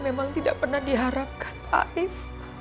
memang tidak pernah diharapkan pak arief